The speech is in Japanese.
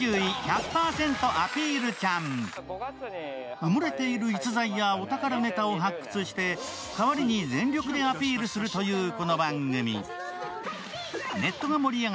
埋もれている逸材やお宝ネタを発掘して、代わりに全力でアピールするというこの番組。